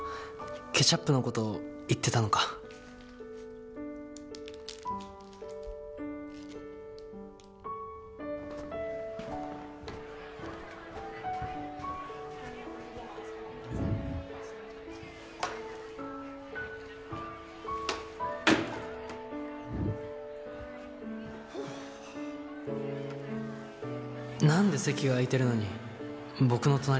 ケチャップのこと言ってたのか何で席が空いているのに僕の隣？